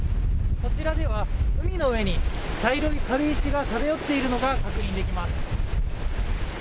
こちらでは海の上に茶色の軽石が漂っているのが確認できます。